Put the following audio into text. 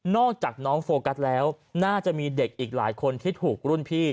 จากน้องโฟกัสแล้วน่าจะมีเด็กอีกหลายคนที่ถูกรุ่นพี่